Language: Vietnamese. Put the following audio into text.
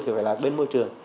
thì phải là bên môi trường